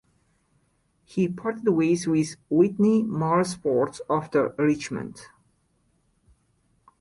He parted ways with Whitney Motorsports after Richmond.